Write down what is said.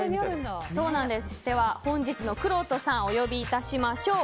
本日のくろうとさんお呼び致しましょう。